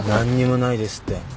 何にもないですって。